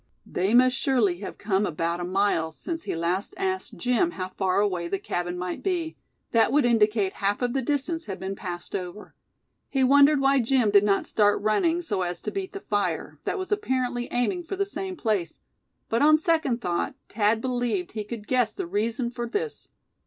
They must surely have come about a mile since he last asked Jim how far away the cabin might be; that would indicate half of the distance had been passed over. He wondered why Jim did not start running, so as to beat the fire, that was apparently aiming for the same place; but on second thought Thad believed he could guess the reason for this.